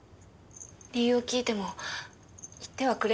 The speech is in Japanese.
理由を聞いても言ってはくれなくて。